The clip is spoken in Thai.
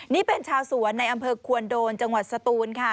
นี่เป็นชาวสวนในอำเภอควนโดนจังหวัดสตูนค่ะ